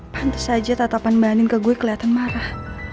pantes aja tatapan manin ke gue keliatan marah